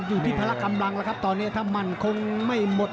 อยู่ที่พละคำรังแล้วครับตอนนี้ถ้ามันคงไม่หมด